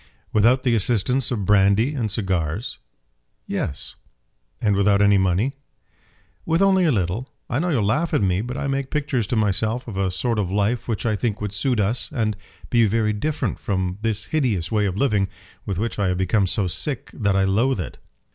"Without the assistance of brandy and cigars." "Yes." "And without any money." "With only a little. I know you'll laugh at me; but I make pictures to myself of a sort of life which I think would suit us, and be very different from this hideous way of living, with which I have become so sick that I loathe it."